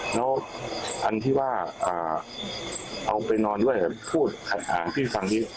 แล้วอันที่ว่าเอาไปนอนด้วยพูดพี่ฟังพี่